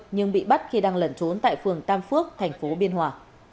nhưng bị bắt khi đang lẩn trốn tại phường tam phước thành phố biên hòa